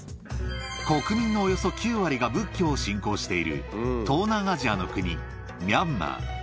国民のおよそ９割が仏教を信仰している、東南アジアの国、ミャンマー。